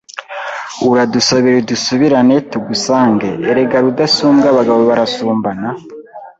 Uradusabire dusubirane tugusange Erega Rudasumbwa abagabo barasumbana